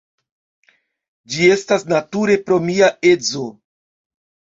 Ĝi estas nature pro mia edzo.